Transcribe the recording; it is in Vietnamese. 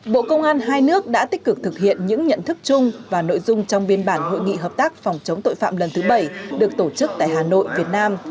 bộ công an hai nước đã tích cực thực hiện những nhận thức chung và nội dung trong biên bản hội nghị hợp tác phòng chống tội phạm lần thứ bảy được tổ chức tại hà nội việt nam